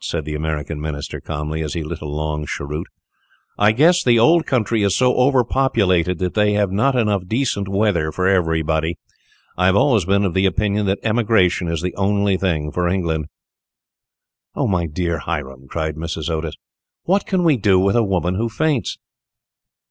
said the American Minister, calmly, as he lit a long cheroot. "I guess the old country is so overpopulated that they have not enough decent weather for everybody. I have always been of opinion that emigration is the only thing for England." "My dear Hiram," cried Mrs. Otis, "what can we do with a woman who faints?"